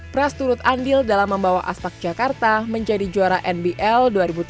pras turut andil dalam membawa aspak jakarta menjadi juara nbl dua ribu tiga belas dua ribu empat belas